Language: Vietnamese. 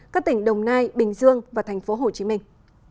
các tỉnh đồng nai bình dương và thành phố hồ chí minh